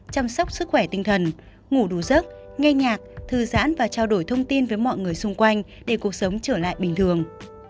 chăm sóc sức khỏe tinh thần ngủ đủ giấc nghe nhạc thư giãn và trao đổi thông tin với mọi người xung quanh để cuộc sống trở lại bình thường